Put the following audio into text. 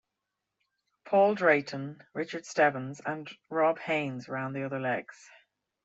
Paul Drayton, Richard Stebbins and Bob Hayes ran the other legs.